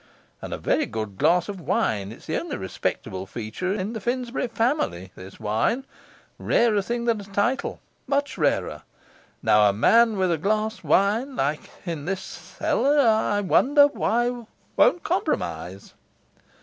And a very good glass of wine; it's the only respectable feature in the Finsbury family, this wine; rarer thing than a title much rarer. Now a man with glass wine like this in cellar, I wonder why won't compromise?